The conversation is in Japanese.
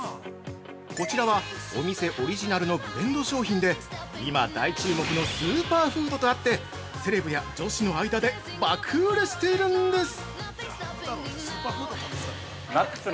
◆こちらは店オリジナルのブレンド商品で、今大注目のスーパーフードとあって、セレブや女子の間で爆売れしているんです！